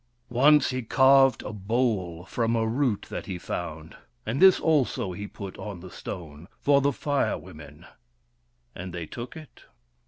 Once he carved a bowl from a root that he found, and this also he put on the stone, for the Fire Women, and they took it.